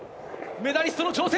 メダリストの挑戦。